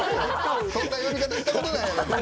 そんな呼び方したことないやろ。